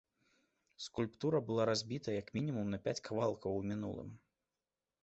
Скульптура была разбіта як мінімум на пяць кавалкаў у мінулым.